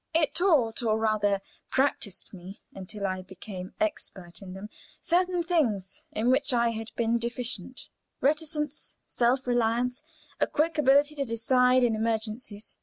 It taught (or rather practiced me until I became expert in them) certain things in which I had been deficient; reticence, self reliance, a quicker ability to decide in emergencies.